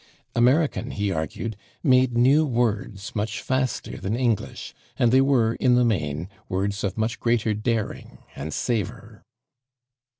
American, he argued, made new words much faster than English, and they were, in the main, words of much greater daring and savor.